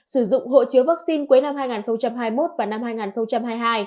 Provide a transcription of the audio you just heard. sử dụng hộ chứa vaccine cuối năm hai nghìn hai mươi một và năm hai nghìn hai mươi hai